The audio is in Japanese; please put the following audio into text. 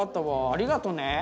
ありがとね。